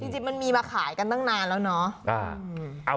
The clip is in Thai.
จริงมันมีมาขายกันตั้งนานแล้วเนาะ